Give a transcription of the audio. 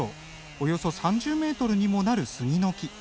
およそ３０メートルにもなるスギの木。